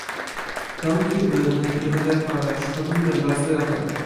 "Domki brudne i odrapane, szkodliwe dla zdrowia."